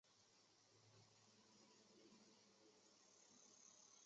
这些重型装备往往是单件设计。